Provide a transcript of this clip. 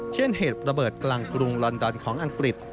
เช่นเหตุระเบิดกลางกรุงลอนดอนของอังกฤษ